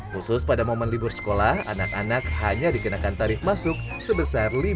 khusus pada momen libur sekolah anak anak hanya dikenakan tarif masuk sebesar